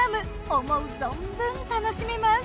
思う存分楽しめます。